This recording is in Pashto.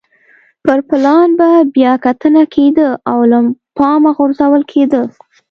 پر پلان به بیا کتنه کېده او له پامه غورځول کېده.